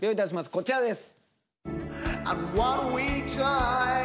こちらです！